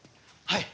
はい！